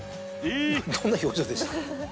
どんな表情でした？